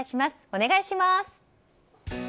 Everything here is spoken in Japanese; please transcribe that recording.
お願いします。